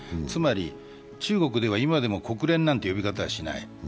つまり中国では今でも国連なんて呼び方はしない。